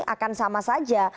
akan sama saja